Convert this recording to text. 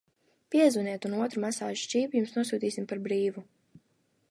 Piezvaniet, un otru masāžas čību jums nosūtīsim par brīvu!